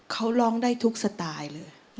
เขาร้องได้ทุกสไตล์เลย